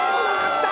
きた！